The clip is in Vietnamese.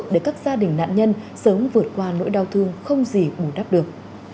để các gia đình nạn nhân sớm vượt qua nỗi đau thương không gì bù đắp được